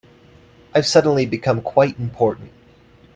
I've suddenly become quite important.